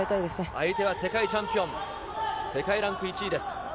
相手は世界チャンピオン、世界ランク１位です。